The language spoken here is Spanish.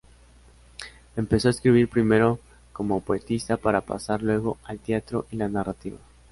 Empezó a escribir primero como poetisa para pasar luego al teatro y la narrativa.